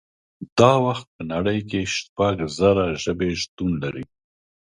دا وخت په نړۍ کې شپږ زره ژبې شتون لري